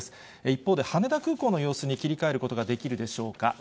一方で、羽田空港の様子に切り替えることができるでしょうか。